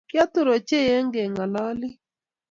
Kiatur ochey eng ' keng' ololii.